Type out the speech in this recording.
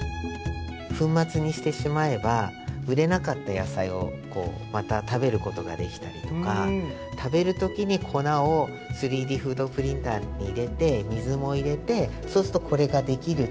粉末にしてしまえば売れなかった野菜をまた食べることができたりとか食べる時に粉を３Ｄフードプリンターに入れて水も入れてそうするとこれができるっていうふうにしたいんですね。